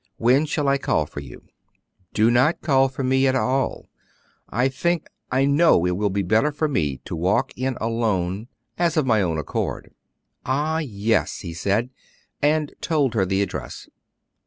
When shall I call for you?" "Do not call for me at all; I think I know it will be better for me to walk in alone, as of my own accord." "Ah, yes!" he said, and told her the address.